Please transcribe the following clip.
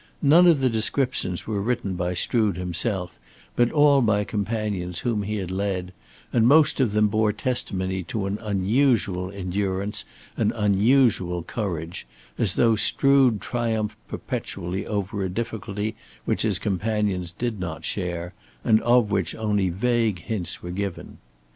None of the descriptions were written by Strood himself but all by companions whom he had led, and most of them bore testimony to an unusual endurance, an unusual courage, as though Strood triumphed perpetually over a difficulty which his companions did not share and of which only vague hints were given.